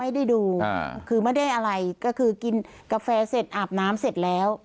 ไม่ได้ดูคือไม่ได้อะไรก็คือกินกาแฟเสร็จอาบน้ำเสร็จแล้ว